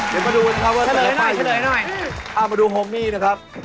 เดี๋ยวมาดูนะครับว่าเตรียมไปอยู่ไหนอืมอ้าวมาดูโฮมี่นะครับ